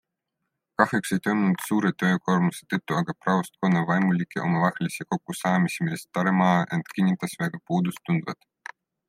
Kahjuks ei toimunud suure töökoormuse tõttu aga praostkonna vaimulike omavahelisi kokkusaamisi, millest Taremaa end kinnitas väga puudust tundvat.